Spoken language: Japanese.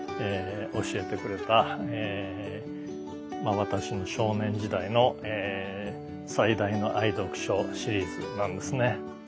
私に私の少年時代の最大の愛読書シリーズなんですね。